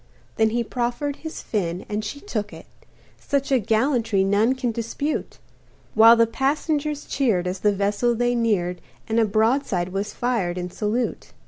Then he proffered his fin and she took it Such a gallantry none can dispute While the passengers cheered as the vessel they neared And a broadside was fired in salute.